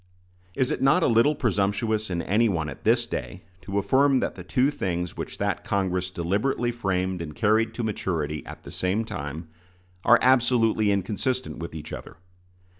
Is it not a little presumptuous in anyone at this day to affirm that the two things which that Congress deliberately framed and carried to maturity at the same time, are absolutely inconsistent with each other?